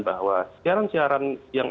bahwa siaran siaran yang